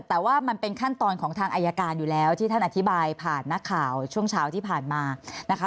แต่ว่ามันเป็นขั้นตอนของทางอายการอยู่แล้วที่ท่านอธิบายผ่านนักข่าวช่วงเช้าที่ผ่านมานะคะ